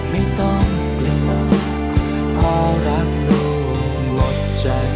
ไม่ต้องเกลือพ่อรักหนูหมดใจ